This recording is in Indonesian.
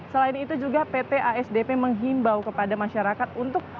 selain itu juga pt asdp menghimbau kepada masyarakat untuk